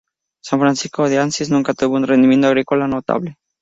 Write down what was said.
San Francisco de Asís nunca tuvo un rendimiento agrícola notable.